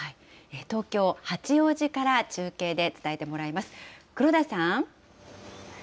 東京・八王子から中継で伝えてもらいます。